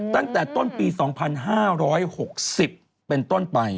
ตั้งแต่ต้นปี๒๕๖๐เป็นต้นไป